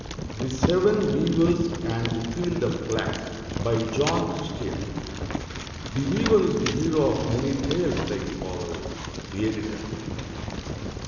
THE SEVEN WEAVERS AND THE FIELD OF FLAX BY JOHN CHRISTL\N [The weaver is the hero of many tales like the following. The Editor.